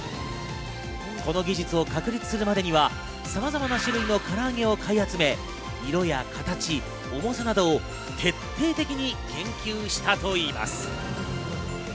この技術を確立するまでには、さまざまな種類のから揚げを買い集め、色や形、重さなどを徹底的に研究したといいます。